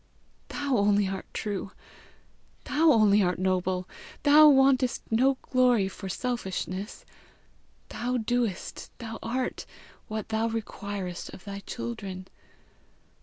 Thou only art true! thou only art noble! thou wantest no glory for selfishness! thou doest, thou art, what thou requirest of thy children!